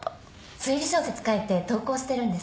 推理小説書いて投稿してるんです。